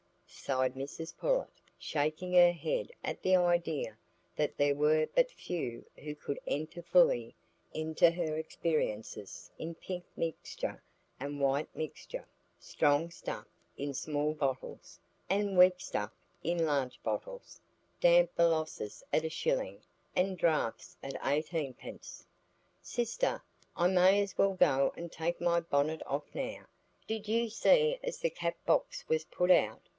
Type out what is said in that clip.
sighed Mrs Pullet, shaking her head at the idea that there were but few who could enter fully into her experiences in pink mixture and white mixture, strong stuff in small bottles, and weak stuff in large bottles, damp boluses at a shilling, and draughts at eighteenpence. "Sister, I may as well go and take my bonnet off now. Did you see as the cap box was put out?"